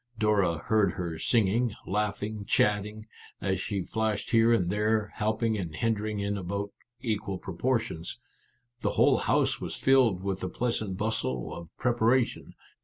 Dora heard her singing, laughing, chatting, as she flashed here and there, helping and hindering in about equal proportions. The whole house was filled with the pleasant bustle of preparation.